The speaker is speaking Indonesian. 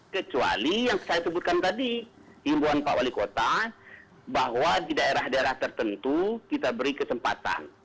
kecuali yang saya sebutkan tadi himbuan pak wali kota bahwa di daerah daerah tertentu kita beri kesempatan